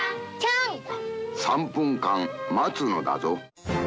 「３分間待つのだぞ」。